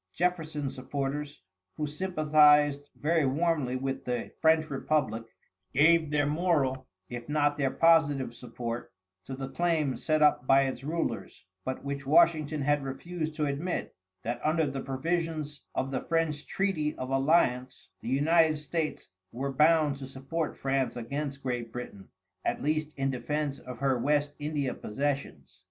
Jefferson's supporters, who sympathized very warmly with the French Republic, gave their moral, if not their positive support, to the claim set up by its rulers, but which Washington had refused to admit, that under the provisions of the French treaty of alliance, the United States were bound to support France against Great Britain, at least in defense of her West India possessions.